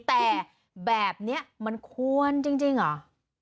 แต่แบบนี้มันควรจริงเหรอ